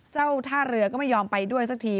ท่าเรือก็ไม่ยอมไปด้วยสักที